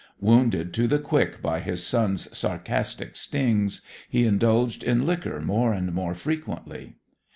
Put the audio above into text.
Wounded to the quick by his son's sarcastic stings, he indulged in liquor more and more frequently.